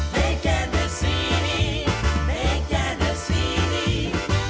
แม่แค่เด็กซีนี่แม่แค่เด็กซีนี่